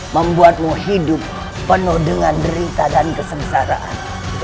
membuatmu hidup penuh dengan derita dan kesengsaraan